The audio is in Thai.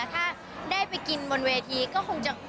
ถ้าได้ไปกินบนเวทีก็คงจะ